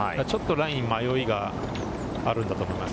ちょっとラインに迷いがあるんだと思います。